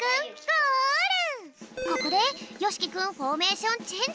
ここでよしきくんフォーメーションチェンジ！